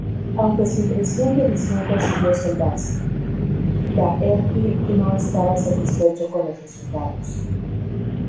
Aunque su impresión de edición consiguió salvarse, Flaherty no estaba satisfecho con los resultados.